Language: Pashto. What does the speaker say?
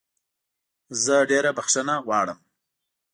زه ډېره بخښنه غواړم.